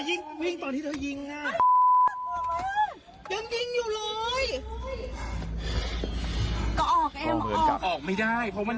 ทีนี้คุณลิเรียค่ะก็จะมีงานนี้กันนะครับ